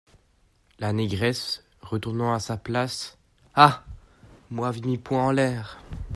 La Négresse , retournant à sa place. — Ah ! moi avais mis point en l’air !